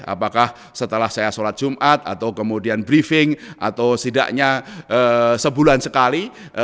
apakah setelah saya sholat jumat atau kemudian briefing atau setidaknya sebulan sekali